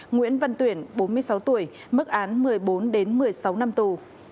nguyễn văn tuyển bốn mươi sáu tuổi mức án một mươi bốn một mươi sáu năm tù